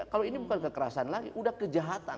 kalau ini bukan kekerasan lagi udah kejahatan